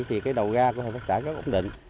thì cái đầu ga của hợp tác xã rất ổn định